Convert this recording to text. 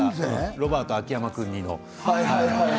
ロバート秋山君似のね。